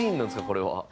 これは。